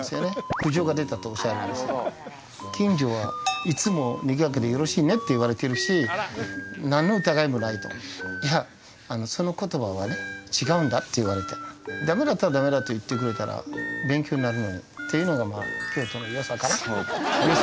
苦情が出たとおっしゃるんです近所は「いつもにぎやかでよろしいね」って言われてるし何の疑いもないと「いやその言葉はね違うんだ」って言われてねダメだったらダメだと言ってくれたら勉強になるのにっていうのがまあ京都のよさかなよさ